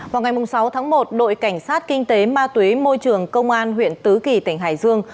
vào ngày sáu tháng một đội cảnh sát kinh tế ma túy môi trường công an huyện tứ kỳ tỉnh hải dương